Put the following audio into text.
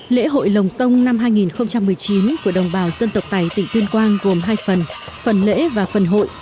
lễ hội lồng tông năm hai nghìn một mươi chín của đồng bào dân tộc tày tỉnh tuyên quang gồm hai phần phần lễ và phần hội